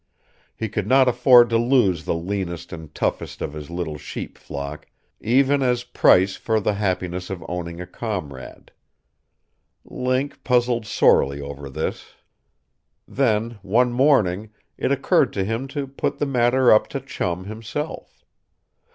He could not afford to lose the leanest and toughest of his little sheep flock even as price for the happiness of owning a comrade. Link puzzled sorely over this. Then one morning it occurred to him to put the matter up to Chum himself.